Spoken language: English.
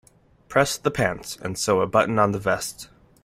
Press the pants and sew a button on the vest.